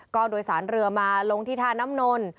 ก็โดยสารเรือมาลงที่ท่าน้ำนน